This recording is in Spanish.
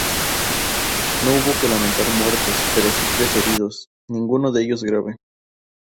No hubo que lamentar muertos, pero sí tres heridos, ninguno de ellos grave.